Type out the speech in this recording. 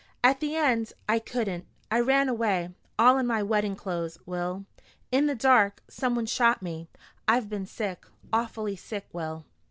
At the end I couldn't! I ran away, all in my wedding clothes, Will. In the dark. Someone shot me. I've been sick, awfully sick, Will."